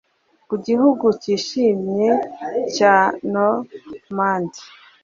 Ku gihugu cyishimye cya Normandy